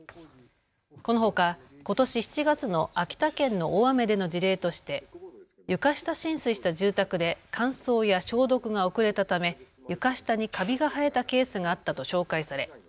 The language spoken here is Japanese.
このほか、ことし７月の秋田県の大雨での事例として床下浸水した住宅で乾燥や消毒が遅れたため床下にかびが生えたケースがあったと紹介され